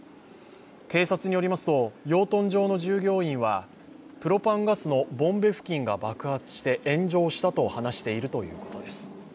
警察によりますと養豚場の従業員はプロパンガスのボンベ付近が爆発して炎上したと話しているということです。